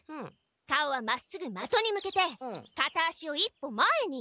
顔はまっすぐまとに向けてかた足を一歩前に！